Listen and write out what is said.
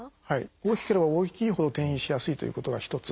大きければ大きいほど転移しやすいということが一つ。